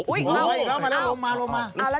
อุ๊ยอีกครั้งลงมา